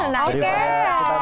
nah itu nanti besok